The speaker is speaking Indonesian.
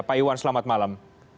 pak iwan selamat malam